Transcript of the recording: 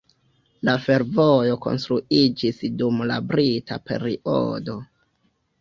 La fervojo konstruiĝis dum la brita periodo.